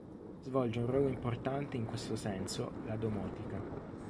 Svolge un ruolo importante in questo senso la domotica.